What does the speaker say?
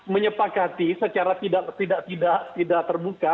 menyepak hati secara tidak terbuka